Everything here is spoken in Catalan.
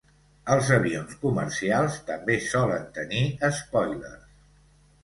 Els avions comercials també solen tenir espòilers.